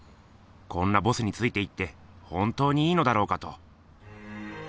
こんなボスについて行って本当にいいのだろうかと。